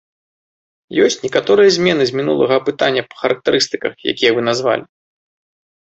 Ёсць некаторыя змены з мінулага апытання па характарыстыках, якія вы назвалі.